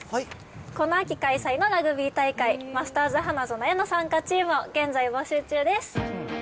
この秋開催のラグビー大会、マスターズ花園への参加チームを現在募集中です。